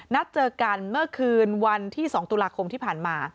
นัดเจอกันเมื่อคืนวันที่๒ตุลาคมที่ผ่านมา